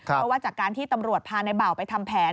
เพราะว่าจากการที่ตำรวจพาในเบาไปทำแผน